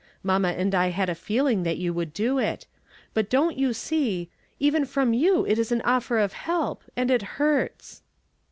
Mamma and I had a feeling that you would do it. But don't you see, even from you it is an offer of help, and it hurts."